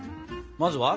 まずは？